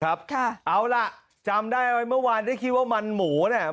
ค่ะเอาล่ะจำได้ไว้เมื่อวานได้คิดว่ามันหมูเนี่ย